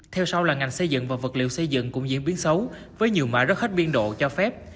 theo sau là ngành xây dựng và vật liệu xây dựng cũng diễn biến xấu với nhiều mã rớt hết biên độ cho phép